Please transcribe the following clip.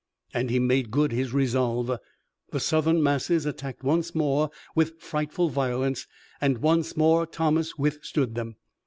And he made good his resolve. The Southern masses attacked once more with frightful violence, and once more Thomas withstood them.